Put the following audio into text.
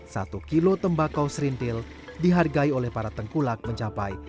satu kilo tembakau serintil dihargai oleh para tengkulak mencapai satu juta rupiah per kilo